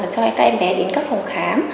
cho các em bé đến các phòng khám